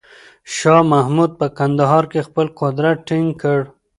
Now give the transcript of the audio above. شاه محمود په کندهار کې خپل قدرت ټینګ کړ.